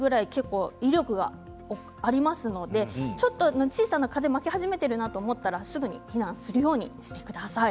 テントが飛ばされるぐらい結構、威力がありますので小さな風が巻き始めているなと思ったらすぐに避難するようにしてください。